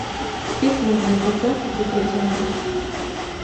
Спіс можна працягваць і працягваць.